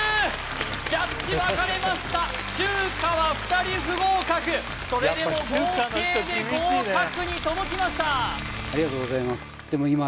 ジャッジ分かれました中華は２人不合格それでも合計で合格に届きました